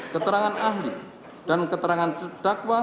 keterangan ahli dan keterangan dakwa